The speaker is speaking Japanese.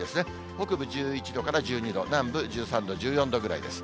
北部１１度から１２度、南部１３度、１４度ぐらいです。